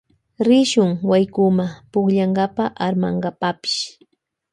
Rishun waykuma pukllankapa armankapapash.